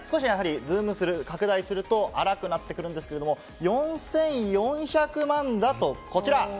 ズームすると粗くなってくるんですけど、４４００万だと、こちら。